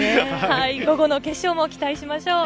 午後の決勝も期待しましょう。